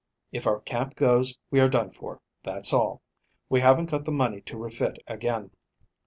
If our camp goes, we are done for, that's all. We haven't got the money to refit again.